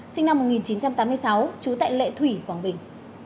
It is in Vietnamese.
sinh năm một nghìn chín trăm tám mươi sáu trú tại lệ thủy quảng bình